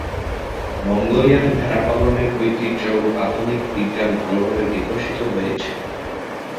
Mongolian ভেড়া পালনের ঐতিহ্য ও আধুনিক বিজ্ঞান ভালোভাবে বিকশিত হয়েছে।